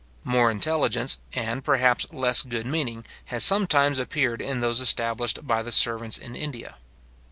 More intelligence, and perhaps less good meaning, has sometimes appeared in those established by the servants in India.